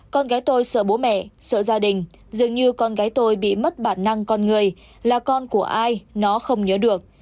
con gái tôi bị mất bản năng con người là con của ai nó không nhớ được